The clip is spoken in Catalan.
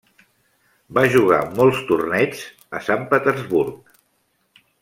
Va jugar molts torneigs a Sant Petersburg.